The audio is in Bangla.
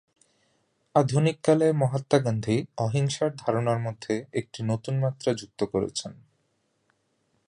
আধুনিককালে মহাত্মা গান্ধী অহিংসার ধারণার মধ্যে একটি নতুন মাত্রা যুক্ত করেছেন।